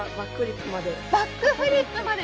バックフリップまで。